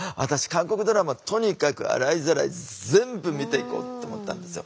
韓国ドラマとにかく洗いざらい全部見ていこう」って思ったんですよ。